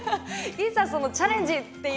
いざそのチャレンジっていうのが。